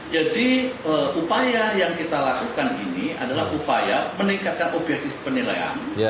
jadi upaya yang kita lakukan ini adalah upaya meningkatkan objektif penilaian